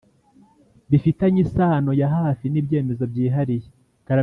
bifitanye isano ya hafi n ibyemezo byihariye